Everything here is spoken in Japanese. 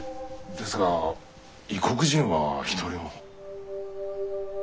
ですが異国人は一人も。